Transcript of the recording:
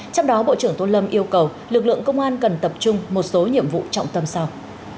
trong đó bộ trưởng tôn lâm yêu cầu lực lượng công an cần tập trung một số nhiệm vụ trọng tâm sau